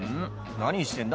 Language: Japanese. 何してんだ